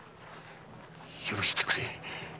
許してくれ。